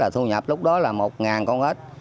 thu nhập lúc đó là một ngàn con ếch